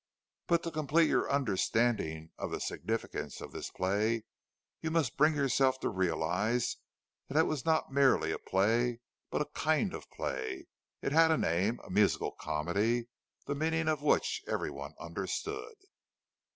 But to complete your understanding of the significance of this play, you must bring yourself to realize that it was not merely a play, but a kind of a play; it had a name—a "musical comedy"—the meaning of which every one understood.